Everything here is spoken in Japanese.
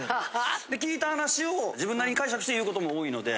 聞いた話を自分なりに解釈して言うことも多いので。